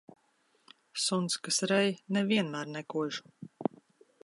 Suns, kas rej, ne vienmēr nekož.